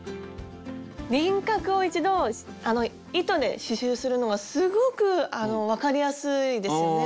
輪郭を１度あの糸で刺しゅうするのはすごく分かりやすいですよね。